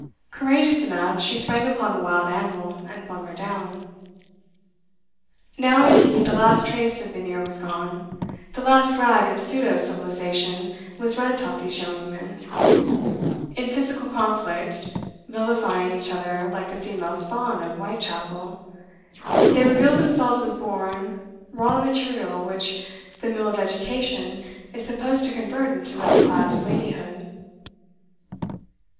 Courageous enough, she sprang upon the wild animal, and flung her down. Now indeed the last trace of veneer was gone, the last rag of pseudo civilisation was rent off these young women; in physical conflict, vilifying each other like the female spawn of Whitechapel, they revealed themselves as born raw material which the mill of education is supposed to convert into middle class ladyhood.